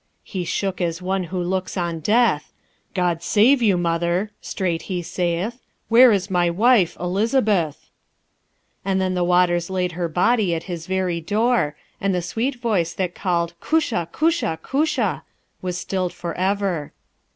He shook as one who looks on death: 'God save you, mother!' straight he saith; 'Where is my wife, Elizabeth?'" And then the waters laid her body at his very door, and the sweet voice that called, "Cusha! Cusha! Cusha!" was stilled forever.